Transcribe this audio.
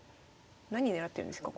何狙ってるんですか？